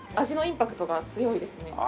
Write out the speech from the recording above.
味のインパクトが強いですね。